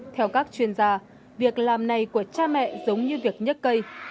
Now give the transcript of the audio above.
theo các chuyên gia việc làm này của cha mẹ giống như việc nhắc cây